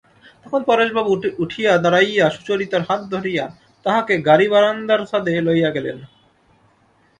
তখন পরেশবাবু উঠিয়া দাঁড়াইয়া সুচরিতার হাত ধরিয়া তাহাকে গাড়িবারান্দার ছাদে লইয়া গেলেন।